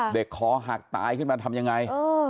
คอหักตายขึ้นมาทำยังไง